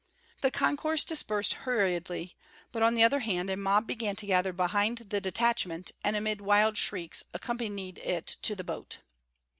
The concourse dispersed hurriedly, but on the other hand a mob began to gather behind the detachment and amid wild shrieks accompanied it to the boat.